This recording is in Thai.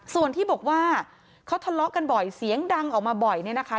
ส่วนที่บอกว่าเขาทะเลาะกันบ่อยเสียงดังออกมาบ่อยเนี่ยนะคะ